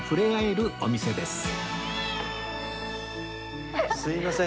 すいません。